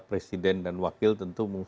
presiden dan wakil tentu